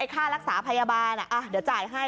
ค่ารักษาพยาบาลเดี๋ยวจ่ายให้